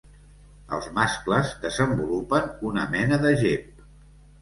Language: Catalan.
Els mascles desenvolupen una mena de gep.